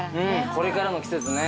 これからの季節ね。